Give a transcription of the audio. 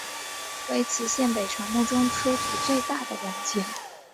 为磁县北朝墓中出土最大的两件。